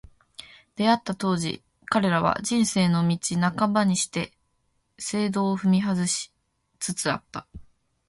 出逢った当時、彼らは、「人生の道半ばにして正道を踏み外し」つつあった。